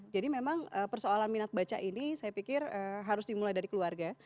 jadi memang persoalan minat baca ini saya pikir harus dimulai dari keluarga